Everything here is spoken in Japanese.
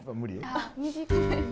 ああ短い。